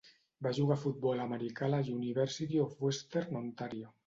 Va jugar a futbol americà a la University of Western Ontario.